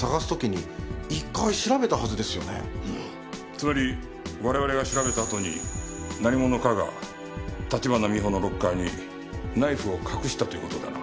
つまり我々が調べたあとに何者かが立花美穂のロッカーにナイフを隠したという事だな。